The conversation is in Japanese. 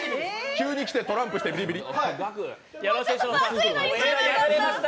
急に来てトランプしてビリビリ。